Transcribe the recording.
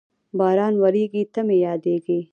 باران ورېږي، ته مې یادېږې